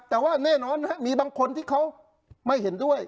แต่ว่าแน่นอนมีบางคนที่เขาไม่เห็นด้วย